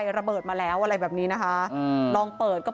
มีแต่เสียงตุ๊กแก่กลางคืนไม่กล้าเข้าห้องน้ำด้วยซ้ำ